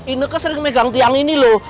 ineke sering pegang tiang ini loh